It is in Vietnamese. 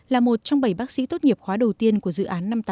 là một trong bảy bác sĩ tốt nghiệp khóa đầu tiên của dự án năm tám năm